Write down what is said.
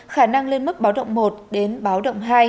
khả năng lên mức báo động một đến báo động hai